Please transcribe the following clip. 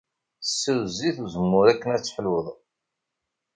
Sew zzit uzemmur akken ad teḥluḍ.